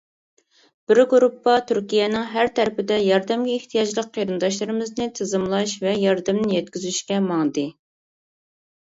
بىر گۇرۇپپا تۈركىيەنىڭ ھەر تەرىپىدە ياردەمگە ئېھتىياجلىق قېرىنداشلىرىمىزنى تىزىملاش ۋە ياردەمنى يەتكۈزۈشكە ماڭدى.